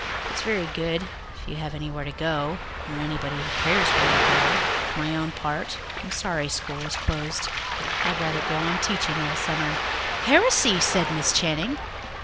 "It's very good, if you have anywhere to go, or anybody who cares where you go," she said bitterly. "For my own part, I'm sorry school is closed. I'd rather go on teaching all summer." "Heresy!" said Miss Channing.